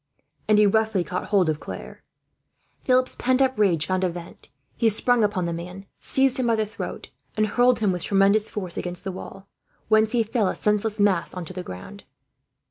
And he roughly caught hold of Claire. Philip's pent up rage found a vent. He sprang upon the man, seized him by the throat, and hurled him with tremendous force against the wall; whence he fell, a senseless mass, on to the ground.